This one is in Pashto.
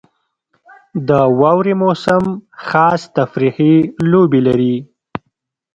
• د واورې موسم خاص تفریحي لوبې لري.